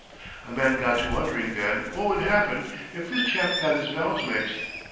] A man got to wondering then what would happen if this chap got his valves mixed.